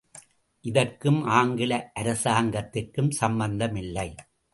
இதற்கும் ஆங்கில அரசாங்கத்திற்கும் சம்பந்தமில்லை.